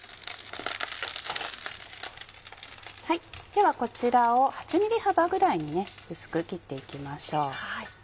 ではこちらを８ｍｍ幅ぐらいに薄く切っていきましょう。